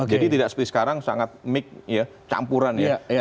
jadi tidak seperti sekarang sangat mix ya campuran ya